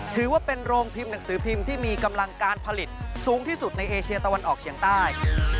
ถือว่าเป็นโรงพิมพ์หนังสือพิมพ์ที่มีกำลังการผลิตสูงที่สุดในเอเชียตะวันออกเฉียงใต้